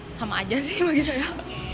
sama aja sih bagi saya